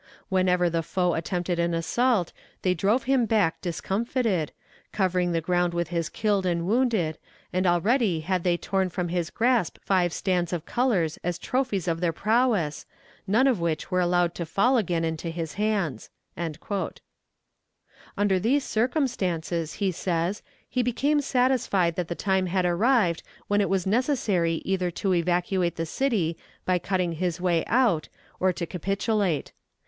Whenever the foe attempted an assault, they drove him back discomfited, covering the ground with his killed and wounded, and already had they torn from his grasp five stands of colors as trophies of their prowess, none of which were allowed to fall again into his hands." Under these circumstances, he says, he became satisfied that the time had arrived when it was necessary either to evacuate the city by cutting his way out or to capitulate.